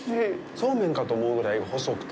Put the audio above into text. そうめんかと思うぐらい細くて。